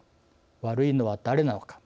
悪いのは誰なのか。